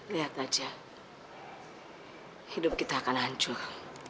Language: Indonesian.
lihat aja hidup kita akan hancur